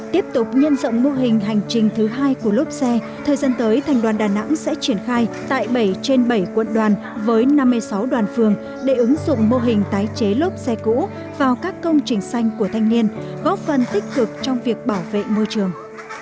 tiếp tục nhân rộng mô hình hành trình thứ hai của lốp xe thời gian tới thành đoàn đà nẵng sẽ triển khai tại bảy trên bảy quận đoàn với năm mươi sáu đoàn phường để ứng dụng mô hình tái chế lốp xe cũ vào các công trình xanh của thanh niên góp phần tích cực trong việc bảo vệ môi trường